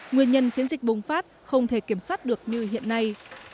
nguyên nhân khiến dịch bùng phát không thể kiểm soát được như hiện nay